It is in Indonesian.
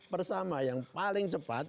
pertama yang paling cepat